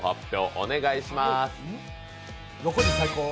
お願いします。